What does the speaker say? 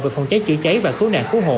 về phòng cháy chữa cháy và cứu nạn cứu hộ